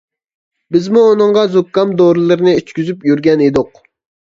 بىزمۇ ئۇنىڭغا زۇكام دورىلىرىنى ئىچكۈزۈپ يۈرگەن ئىدۇق.